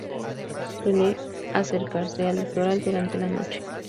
Suele acercarse al litoral durante la noche.